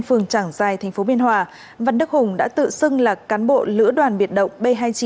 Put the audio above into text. phường trảng giai thành phố biên hòa văn đức hùng đã tự xưng là cán bộ lữ đoàn biệt động b hai mươi chín